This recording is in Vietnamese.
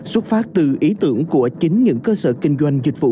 xuất phát từ ý tưởng của chính những cơ sở kinh doanh dịch vụ